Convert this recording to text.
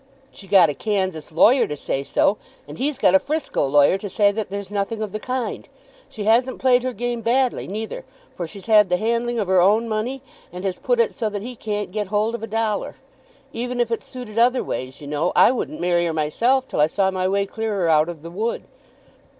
"She got a Kansas lawyer to say so, and he's got a Frisco lawyer to say that there's nothing of the kind. She hasn't played her game badly neither, for she's had the handling of her own money, and has put it so that he can't get hold of a dollar. Even if it suited other ways, you know, I wouldn't marry her myself till I saw my way clearer out of the wood."